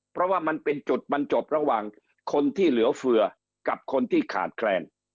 เพราะว่ามันเป็นจุดบรรจบระหว่างคนที่เหลือเฟือกับคนที่ขาดแคลน